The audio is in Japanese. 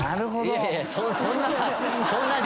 いやいやいやそんな。